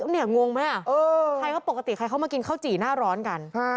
งงไหมอ่ะใครก็ปกติใครเขามากินข้าวจี่หน้าร้อนกัน